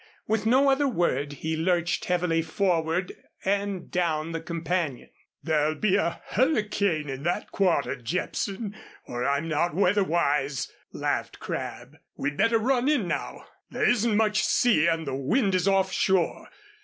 With no other word he lurched heavily forward and down the companion. "There'll be a hurricane in that quarter, Jepson, or I'm not weather wise," laughed Crabb. "We'd better run in now. There isn't much sea and the wind is offshore.